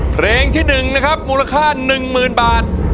เพลงที่๑นะครับมูลค่า๑๐๐๐บาท